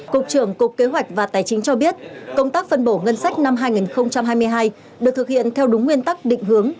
cục trưởng cục kế hoạch và tài chính cho biết công tác phân bổ ngân sách năm hai nghìn hai mươi hai được thực hiện theo đúng nguyên tắc định hướng